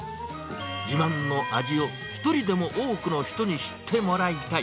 自慢の味を一人でも多くの人に知ってもらいたい。